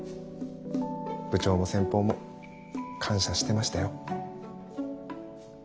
部長も先方も感謝してましたよ。